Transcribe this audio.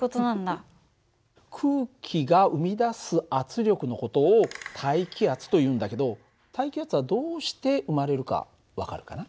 空気が生み出す圧力の事を大気圧というんだけど大気圧はどうして生まれるか分かるかな？